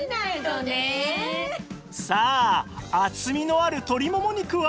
さあ厚みのある鶏モモ肉は